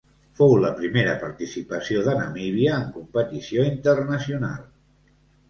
Fou la primera participació de Namíbia en competició internacional.